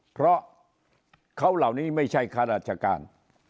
เพราะเขาเหล่านี้ไม่ใช่ข้าราชการ